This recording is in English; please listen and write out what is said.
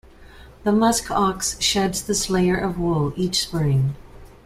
The muskox sheds this layer of wool each spring.